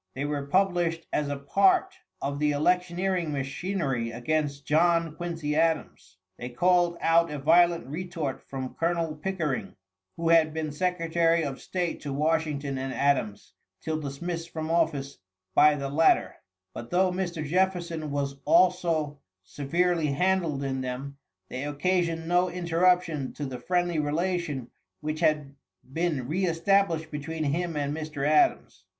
They were published as a part of the electioneering machinery against John Quincy Adams. They called out a violent retort from Colonel Pickering, who had been secretary of State to Washington and Adams, till dismissed from office by the latter; but though Mr. Jefferson was also severely handled in them, they occasioned no interruption to the friendly relation which had been re established between him and Mr. Adams.